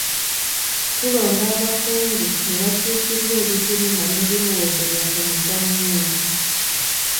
Tulonda abakungu ne bakiikirira ebituluma n'ebirowoozo byaffe mu gavumenti.